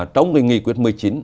trong cái nghị quyết một mươi chín